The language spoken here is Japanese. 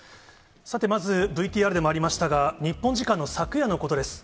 さて、まずＶＴＲでもありましたが、日本時間の昨夜のことです。